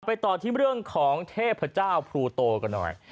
ไปต่อที่เรื่องของเทพเจ้าพลูโตกันหน่อย